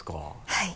はい。